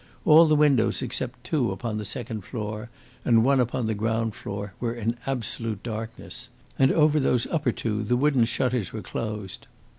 All the windows except two upon the second floor and one upon the ground floor were in absolute darkness, and over those upper two the wooden shutters were closed.